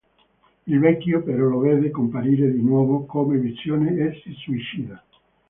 Il vecchio però lo vede comparire di nuovo, come visione, e si suicida.